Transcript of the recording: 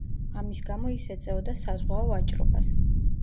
ამის გამო ის ეწეოდა საზღვაო ვაჭრობას.